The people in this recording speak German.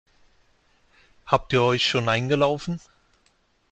Habt ihr euch schon eingelaufen?